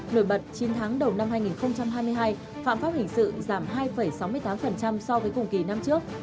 nổi bật chín tháng đầu năm hai nghìn hai mươi hai phạm pháp hình sự giảm hai sáu mươi tám so với cùng kỳ năm trước